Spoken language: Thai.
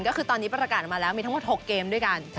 ก็คือตอนนี้ประกาศมาแล้วมีทั้งหมด๖เกมด้วยกัน